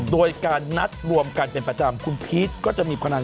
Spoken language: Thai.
โดยการนัดรวมกันเป็นประจำคุณพีชก็จะมีพนัน